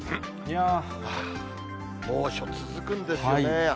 猛暑続くんですよね。